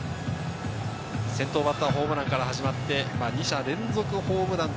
先頭バッターホームランから始まって、２者連続ホームラン。